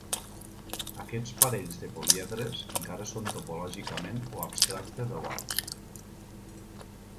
Aquests parells de políedres encara són topològicament o abstracta duals.